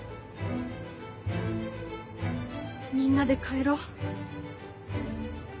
みんなで帰ろう。